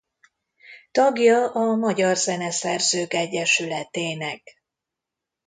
Tagja a Magyar Zeneszerzők Egyesületének.